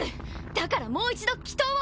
だからもう一度祈祷を！